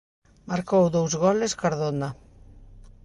Marcou dous goles Cardona.